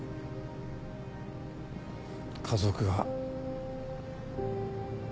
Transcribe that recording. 家族が。